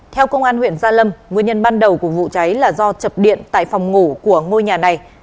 theo công an huyện gia lâm nguyên nhân ban đầu của vụ cháy là do chập điện tại phòng ngủ của ngôi nhà này